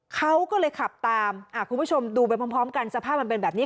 เขาก็เลยขับตามคุณผู้ชมดูไปพร้อมกันสภาพมันเป็นแบบนี้